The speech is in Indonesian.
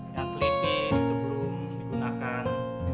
yang teliti sebelum digunakan